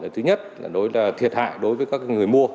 thứ nhất là thiệt hại đối với các người mua